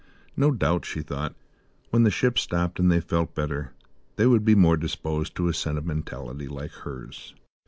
No doubt, she thought, when the ship stopped and they felt better, they would be more disposed to a sentimentality like hers.